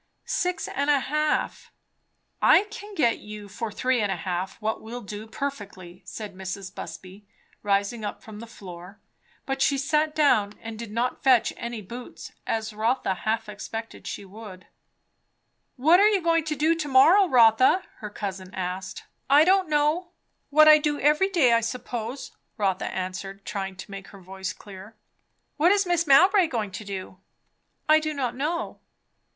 "Six and a half." "I can get you for three and a half what will do perfectly," said Mrs. Busby, rising up from the floor. But she sat down, and did not fetch any boots, as Rotha half expected she would. "What are you going to do to morrow, Rotha?" her cousin asked. "I don't know. What I do every day, I suppose," Rotha answered, trying to make her voice clear. "What is Mrs. Mowbray going to do?" "I do not know."